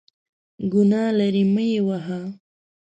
ګناه لري ، مه یې وهه !